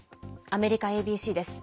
アメリカＡＢＣです。